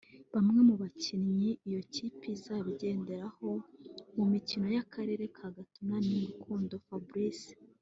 Bamwe mu bakinnyi iyo kipe izaba igenderaho mu mikino y’Akarere ka gatanu ni Rukundo Fabrice